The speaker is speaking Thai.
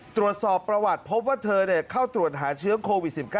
ตรวจสอบประวัติพบว่าเธอเข้าตรวจหาเชื้อโควิด๑๙